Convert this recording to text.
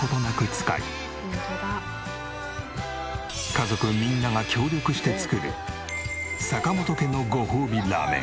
家族みんなが協力して作る坂本家のごほうびラーメン。